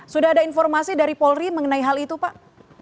sudah ada informasi dari polri mengenai hal itu pak